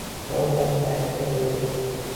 Bor gapni aytdi-qoʻydi.